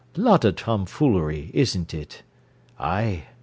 Lot o' tomfoolery, isn't it? Ay!